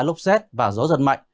lốc xét và gió giật mạnh